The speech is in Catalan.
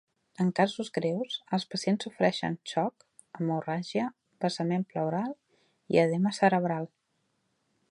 En casos greus, els pacients sofreixen xoc, hemorràgia, vessament pleural i edema cerebral.